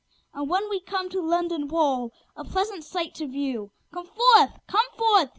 And when we come to London Wall, A pleasant sight to view, Come forth! come forth!